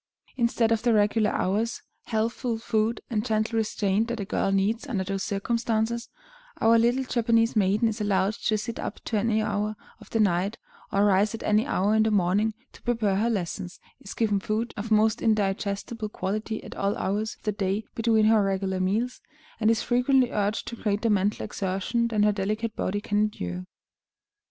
Instead of the regular hours, healthful food, and gentle restraint that a girl needs under those circumstances, our little Japanese maiden is allowed to sit up to any hour of the night, or arise at any hour in the morning, to prepare her lessons, is given food of most indigestible quality at all hours of the day between her regular meals, and is frequently urged to greater mental exertion than her delicate body can endure.